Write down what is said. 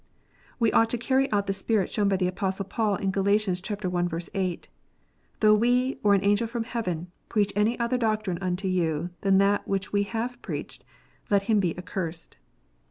We ought to carry out the spirit shown by the Apostle Paul, in Gal. i. 8 :" Though we, or an angel from heaven, preach any other doctrine unto you than that which we have preached, let him be accursed."